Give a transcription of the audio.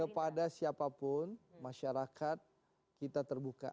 kepada siapapun masyarakat kita terbuka